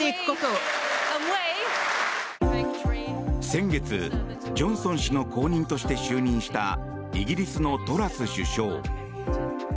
先月、ジョンソン氏の後任として就任したイギリスのトラス首相。